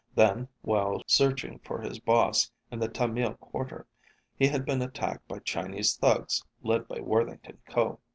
Then, while searching for his boss in the Tamil quarter, he had been attacked by Chinese thugs led by Worthington Ko.